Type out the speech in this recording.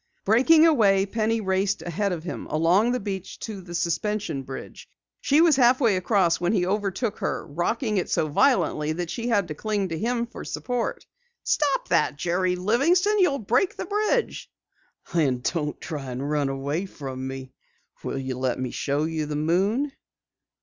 Breaking away, Penny raced ahead of him, along the beach to the suspension bridge. She was halfway across when he overtook her, rocking it so violently that she had to cling to him for support. "Stop that, Jerry Livingston! You'll break the bridge!" "Then don't try to run away from me. Will you let me show you the moon?"